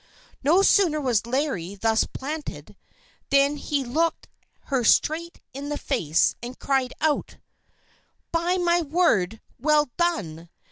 No sooner was Larry thus planted than he looked her straight in the face, and cried out: "By my word, well done!